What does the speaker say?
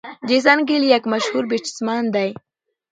جیسن ګيل یک مشهور بيټسمېن دئ.